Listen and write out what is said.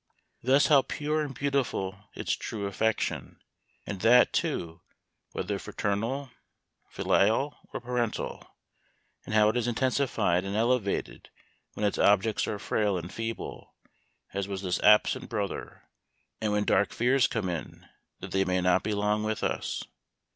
Thus how pure and beautiful is true affection ; and that, too, whether fraternal, filial, or parental ! And how is it intensified and elevated when its objects are frail and feeble, as was this absent brother, and when dark fears come in that they may not be long with us